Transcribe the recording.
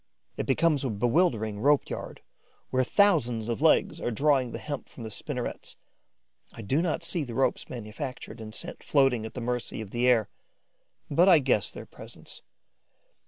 It becomes a bewildering rope yard, where thousands of legs are drawing the hemp from the spinnerets. I do not see the ropes manufactured and sent floating at the mercy of the air; but I guess their presence.